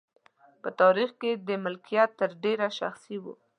په تاریخ کې مالکیت تر ډېره شخصي و.